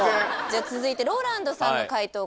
じゃあ続いてＲＯＬＡＮＤさんの回答